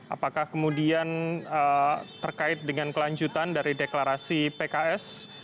apakah kemudian terkait dengan kelanjutan dari deklarasi pks